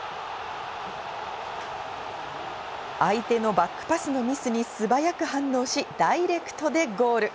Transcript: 相手のバックパスのミスに素早く反応し、ダイレクトでゴール。